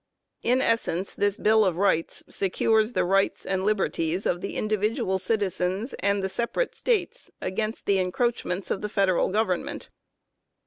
In essence this Bill of Rights secures the rights and liberties of the individual citizens and the separate states against the encroachments of the Federal Government.